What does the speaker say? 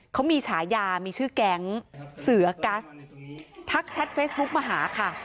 เขามีฉายามีชื่อแก๊งเสือกัสทักแชทเฟซบุ๊กมาหาค่ะ